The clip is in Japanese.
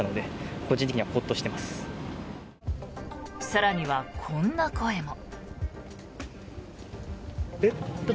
更には、こんな声も。